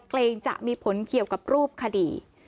เกรงจะมีผลเกี่ยวกับรูปคดี